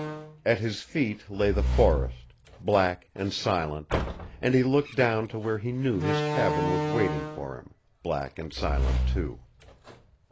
At his feet lay the forest, black and silent, and he looked down to where he knew his cabin was waiting for him, black and silent, too.